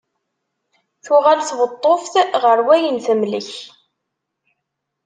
Tuɣal tweṭṭuft ɣer wayen temlek.